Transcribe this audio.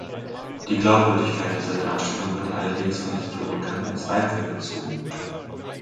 Die Glaubwürdigkeit dieser Darstellung wird allerdings von Historikern in Zweifel gezogen.